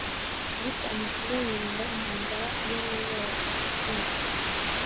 Ariko Umukiza yirinda intambara iyo ari yo yose, i